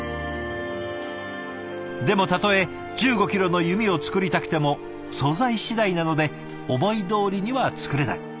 でもたとえ１５キロの弓を作りたくても素材次第なので思いどおりには作れない。